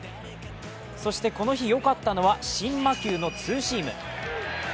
そして、この日よかったのは新魔球のツーシーム。